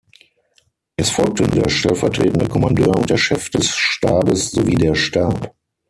Es folgten der stellvertretende Kommandeur und der Chef des Stabes sowie der Stab.